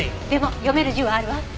でも読める字はあるわ。